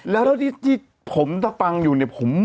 แล้วที่ผมถ้าฟังอยู่เนี่ย